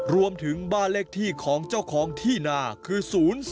รวมถึงบ้านเลขที่ของเจ้าของที่นาคือ๐๔